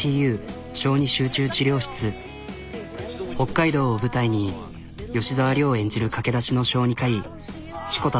北海道を舞台に吉沢亮演じる駆け出しの小児科医志子田